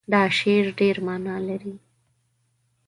دا شعر ډېر معنا لري.